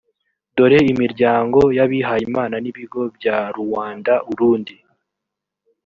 dore imiryango y abihayimana n ibigo bya ruanda urundi